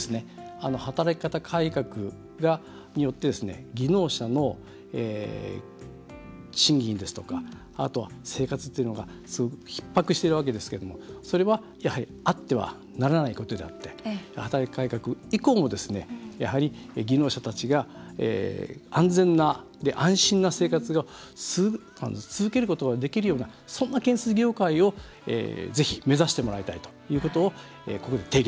働き方改革によって技能者の賃金ですとか生活っていうのがすごくひっ迫しているわけですがそれは、やはりあってはならないことであって働き方改革以降もやはり技能者たちが安全で安心な生活を続けることができるようなそんな建設業界をぜひ目指してもらいたいということをここで提言いたします。